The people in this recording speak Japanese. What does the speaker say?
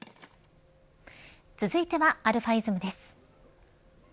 続いてはαｉｓｍです。